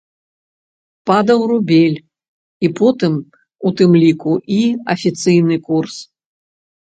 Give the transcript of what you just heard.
Падаў рубель і потым, у тым ліку і афіцыйны курс.